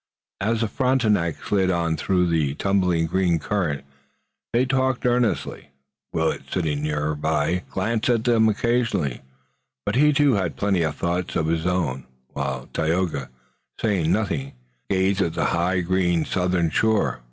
As the Frontenac slid on through the tumbling green current they talked earnestly. Willet, sitting near, glanced at them occasionally, but he too had plenty of thoughts of his own, while Tayoga, saying nothing, gazed at the high green southern shore.